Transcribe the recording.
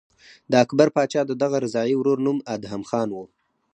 د اکبر پاچا د دغه رضاعي ورور نوم ادهم خان و.